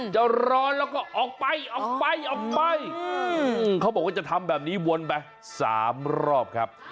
จะร้อนแล้วก็ออกไปออกไปออกไปเขาบอกว่าจะทำแบบนี้วนไป๓รอบครับ